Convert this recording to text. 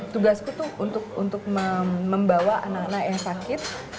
tugasku tuh untuk membawa anak anak yang sakit